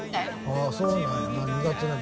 ああそうなんやな。